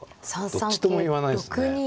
どっちとも言わないですね。